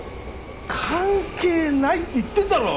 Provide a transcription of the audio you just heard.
関係ないって言ってるだろう！